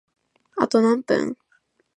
あと何分？